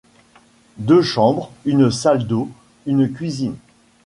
deux chambres, une salle d'eau, une cuisine